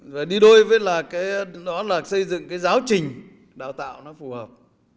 rồi đi đôi với là cái đó là xây dựng cái giáo trình đào tạo nó phù hợp